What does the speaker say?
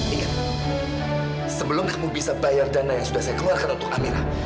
ingat sebelum kamu bisa bayar dana yang sudah saya keluarkan untuk amera